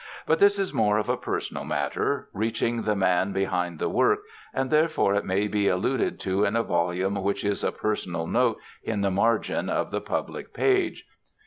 But this is more of a personal matter, reaching the man behind the work, and therefore it may be alluded to in a volume which is a personal note in the margin of the public page.